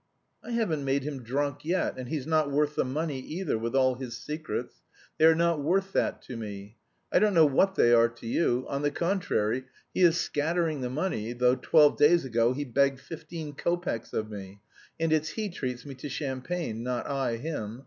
"I haven't made him drunk yet, and he's not worth the money either, with all his secrets. They are not worth that to me. I don't know what they are to you. On the contrary, he is scattering the money, though twelve days ago he begged fifteen kopecks of me, and it's he treats me to champagne, not I him.